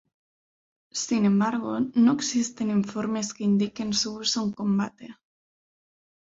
Sin embargo, no existen informes que indiquen su uso en combate.